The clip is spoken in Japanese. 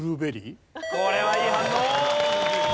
これはいい反応！